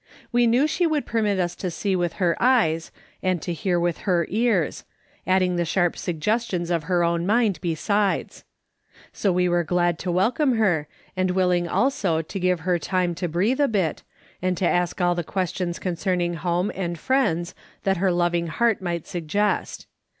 We knew she would permit us to see with her eyes, and to hear with her ears ; adding the sharp suggestions of her own mind besides. So we were glad to welcome her, and willing also to give her time to breathe a bit, and to ask all the questions concerning home and friends that her loving heart might suggest.